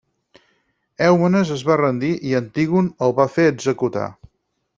Èumenes es va rendir i Antígon el va fer executar.